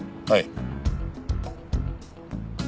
はい？